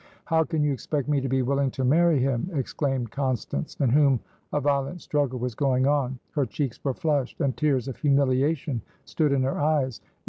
"How can you expect me to be willing to marry him?" exclaimed Constance, in whom a violent struggle was going on. Her cheeks were flushed, and tears of humiliation stood in her eyes.